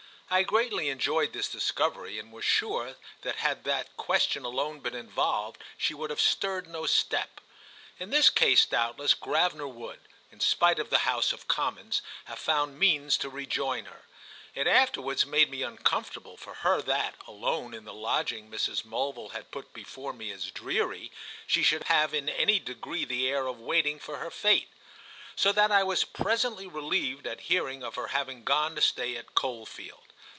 I greatly enjoyed this discovery and was sure that had that question alone been involved she would have stirred no step. In this case doubtless Gravener would, in spite of the House of Commons, have found means to rejoin her. It afterwards made me uncomfortable for her that, alone in the lodging Mrs. Mulville had put before me as dreary, she should have in any degree the air of waiting for her fate; so that I was presently relieved at hearing of her having gone to stay at Coldfield.